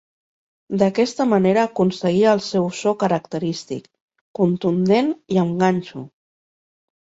D'aquesta manera aconseguia el seu so característic, contundent i amb ganxo.